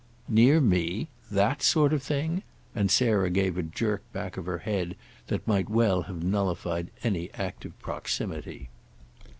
"Near me—that sort of thing?" And Sarah gave a jerk back of her head that well might have nullified any active proximity.